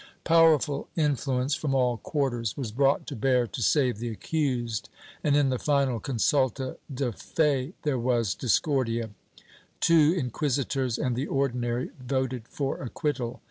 Powerful influence from all cjuarters was brought to bear to save the accused, and in the final consulta de fe there was discordia. Two inquisitors and the Ordinary voted for acquittal.